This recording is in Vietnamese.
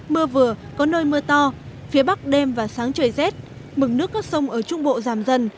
mưa vừa có nơi mưa to phía bắc đêm và sáng trời rét mực nước các sông ở trung bộ giảm dần